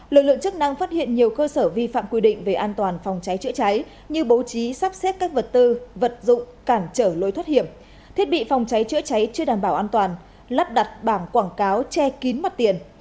lực lượng chức năng phát hiện nhiều cơ sở vi phạm quy định về an toàn phòng cháy chữa cháy như bố trí sắp xếp các vật tư vật dụng cản trở lối thoát hiểm thiết bị phòng cháy chữa cháy chưa đảm bảo an toàn lắp đặt bảng quảng cáo che kín mặt tiền